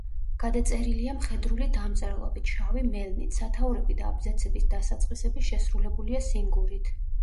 გადაწერილია მხედრული დამწერლობით, შავი მელნით; სათაურები და აბზაცების დასაწყისები შესრულებულია სინგურით.